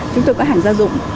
chúng tôi có hàng gia dụng